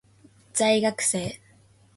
在学生